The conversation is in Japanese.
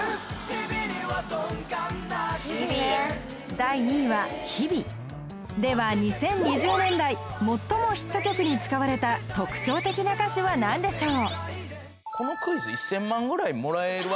第２位は「日々」では２０２０年代最もヒット曲に使われた特徴的な歌詞は何でしょう？